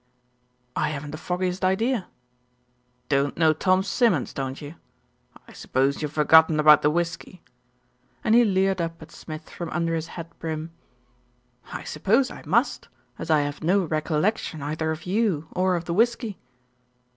"I haven't the foggiest idea." "Don't know Tom Simmons, don't you ? I suppose you've forgotten about the whisky," and he leered up at Smith from under his hat brim. "I suppose I must, as I have no recollection, either of you or of the whisky."